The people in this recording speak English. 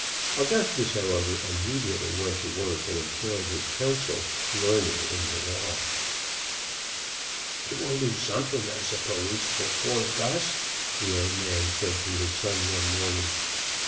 Augustus, however, immediately went to work and employed his counsel, learned in the law. "You will do something, I suppose, for poor Gus?" the old man said to his son one morning.